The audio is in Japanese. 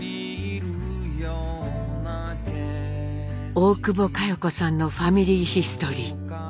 大久保佳代子さんの「ファミリーヒストリー」。